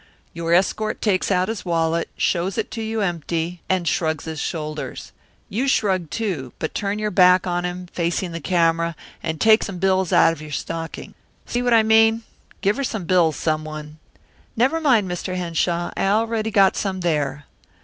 "Your escort takes out his wallet, shows it to you empty, and shrugs his shoulders. You shrug, too, but turn your back on him, facing the camera, and take some bills out of your stocking see what I mean? Give her some bills, someone." "Never mind, Mr. Henshaw; I already got some there."